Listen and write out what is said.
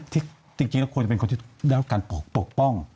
ที่จริงควรจะเป็นคนที่ได้การปกป้อง